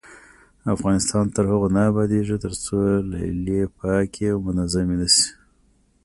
افغانستان تر هغو نه ابادیږي، ترڅو لیلیې پاکې او منظمې نشي.